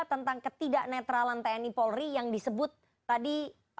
tentang ketidak netralan tni polri yang disebut tadi